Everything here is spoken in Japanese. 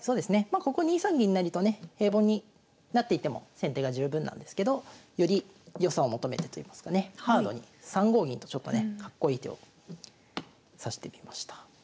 まここ２三銀成とね平凡に成っていっても先手が十分なんですけどより良さを求めてといいますかねハードに３五銀とちょっとねかっこいい手を指してみました。